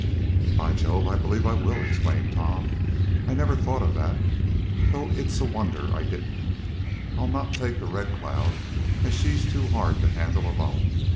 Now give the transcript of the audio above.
"By Jove! I believe I will!" exclaimed Tom. "I never thought of that, though it's a wonder I didn't. I'll not take the RED CLOUD, as she's too hard to handle alone.